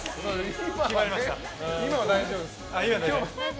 今はね、大丈夫です。